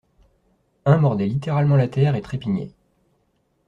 Un mordait littéralement la terre et trépignait.